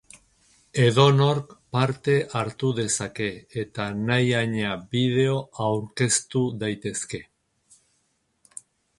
Edonork parte hartu dezake, eta nahi adina bideo aurkeztu daitezke.